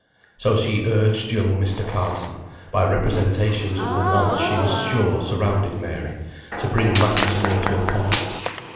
So she urged young Mr. Carson, by representations of the want she was sure surrounded Mary, to bring matters more to a point.